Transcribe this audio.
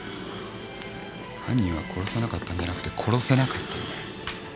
犯人は殺さなかったんじゃなくて殺せなかったんだよ。